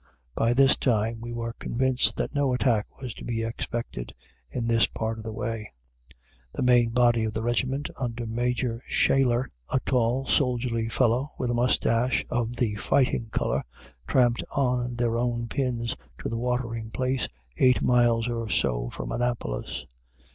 By this time we were convinced that no attack was to be expected in this part of the way. The main body of the regiment, under Major Shaler, a tall, soldierly fellow, with a mustache of the fighting color, tramped on their own pins to the watering place, eight miles or so from Annapolis.